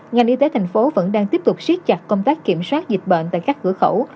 ngành y tế thành phố vẫn đang tiếp tục siết chặt công tác kiểm soát dịch bệnh tại các cửa khẩu